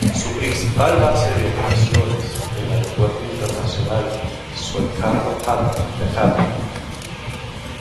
Su principal base de operaciones del Aeropuerto Internacional Soekarno-Hatta, Yakarta.